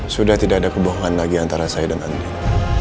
sudah tidak ada kebohongan lagi antara saya dan andri